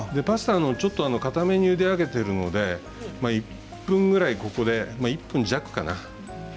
パスタはちょっとかためにゆで上げているので１分ぐらいここで１分弱かな？